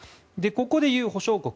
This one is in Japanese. ここで言う保証国